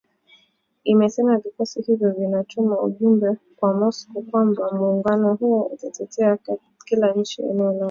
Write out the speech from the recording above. imesema vikosi hivyo vinatuma ujumbe kwa Moscow kwamba muungano huo utatetea kila nchi ya eneo lake